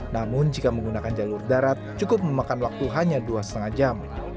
namun jika menggunakan jalur darat cukup memakan waktu hanya dua lima jam